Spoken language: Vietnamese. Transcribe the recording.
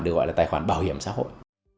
được gọi là tài khoản bảo hiểm xã hội